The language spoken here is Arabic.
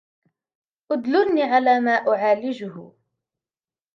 اُدْلُلْنِي عَلَى مَا أُعَالِجُهُ